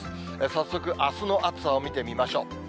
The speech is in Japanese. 早速、あすの暑さを見てみましょう。